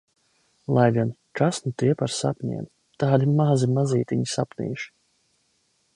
Lai gan - kas nu tie par sapņiem. Tādi mazi mazītiņi sapnīši.